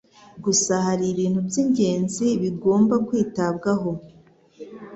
Gusa hari ibintu by'ingenzi bigomba kwitabwaho